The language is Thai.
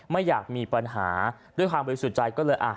ไม่อยากมีปัญหาด้วยความบริสุทธิ์ใจก็เลยอ่ะ